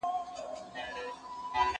زه بايد واښه راوړم،